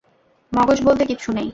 মগজ বলতে কিচ্ছু নেই।